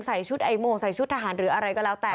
ใส่ชุดไอโม่งใส่ชุดทหารหรืออะไรก็แล้วแต่